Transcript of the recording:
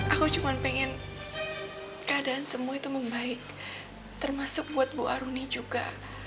aku cuma pengen keadaan semua itu membaik termasuk buat bu aruni juga